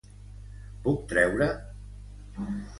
Puc treure.?